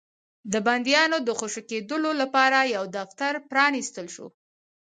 د بنديانو د خوشي کېدلو لپاره يو دفتر پرانيستل شو.